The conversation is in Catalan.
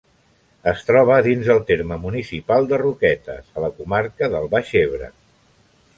Es troba dins del terme municipal de Roquetes, a la comarca del Baix Ebre.